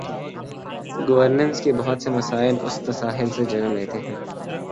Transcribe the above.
Governance کے بہت سے مسائل اس تساہل سے جنم لیتے ہیں۔